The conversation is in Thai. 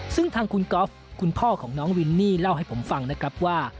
ซึ่งทางคุณก๊อฟคุณพ่อของน้องวินนี่เล่าให้ผมฟังนะครับว่า